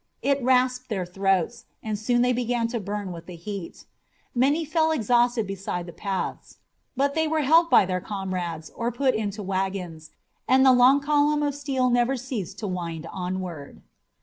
It rasped their throats, and soon they began to burn with the heat. Many fell exhausted beside the paths, but they were helped by their comrades or were put into the wagons, and the long column of steel never ceased to wind onward.